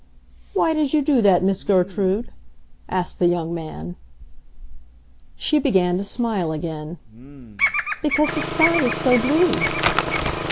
"Why did you do that, Miss Gertrude?" asked the young man. She began to smile again. "Because the sky is so blue!"